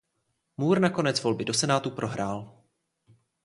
Moore nakonec volby do Senátu prohrál.